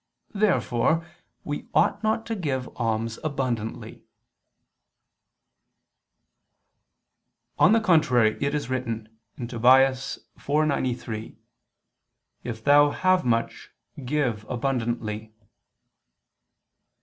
Therefore we ought not to give alms abundantly. On the contrary, It is written (Tob. 4:93): "If thou have much, give abundantly."